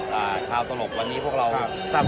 กับชาวตลกวันนี้พวกเราก็ครับ